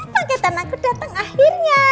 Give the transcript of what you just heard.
paketan aku datang akhirnya